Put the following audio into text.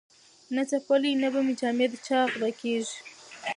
نه څپلۍ نه به جامې د چا غلاکیږي